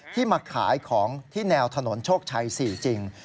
มาขายของที่แนวถนนโชคชัย๔จริง